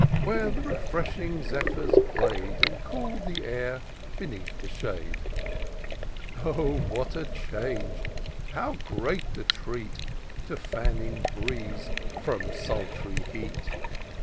Where the refreshing zephjnrs play'd. And cool'd the air beneath the shade. Oh ! what a change, how great the treat, To fanning breeze from sultry heat